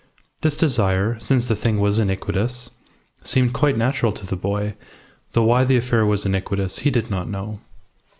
This desire (since the thing was iniquitous) seemed quite natural to the boy, though why the affair was iniquitous he did not know.